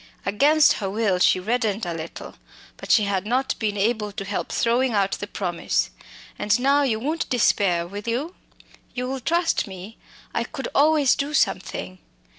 Against her will she reddened a little; but she had not been able to help throwing out the promise. "And now, you won't despair, will you? You'll trust me? I could always do something."